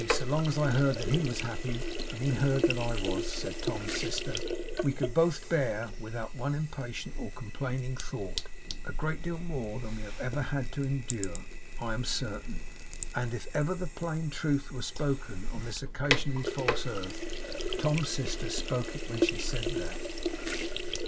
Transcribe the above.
So long as I heard that he was happy, and he heard that I was,' said Tom's sister, 'we could both bear, without one impatient or complaining thought, a great deal more than ever we have had to endure, I am very certain.' And if ever the plain truth were spoken on this occasionally false earth, Tom's sister spoke it when she said that.